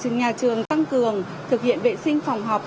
trường nhà trường tăng cường thực hiện vệ sinh phòng học